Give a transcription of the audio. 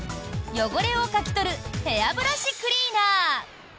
汚れをカキ取るヘアブラシクリーナー。